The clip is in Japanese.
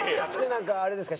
なんかあれですか？